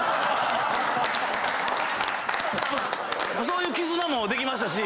そういう絆もできたし。